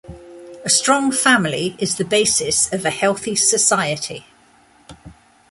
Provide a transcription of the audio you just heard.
A strong family is the basis of a healthy society.